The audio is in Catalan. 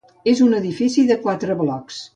És un edifici de quatre blocs.